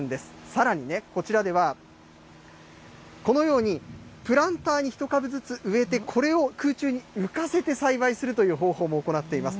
さらにこちらではこのようにプランターに１株ずつ植えて、これを空中に浮かせて栽培するという方法も行っています。